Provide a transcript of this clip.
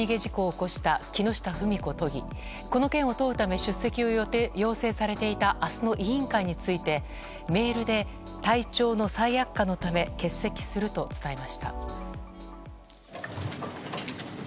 この件を問うため、出席を要請されていたあすの委員会について、メールで体調の再悪化のため、欠席すると伝えました。